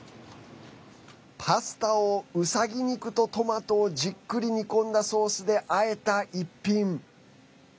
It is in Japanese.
パスタを、うさぎ肉とトマトをじっくり煮込んだソースであえた一品。